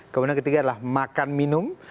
kemudian ketiga adalah makan minum